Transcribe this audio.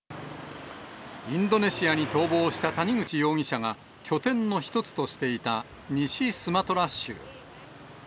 インドネシアに逃亡した谷口容疑者が、拠点の一つとしていた西スマトラ州。